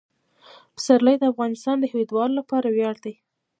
پسرلی د افغانستان د هیوادوالو لپاره ویاړ دی.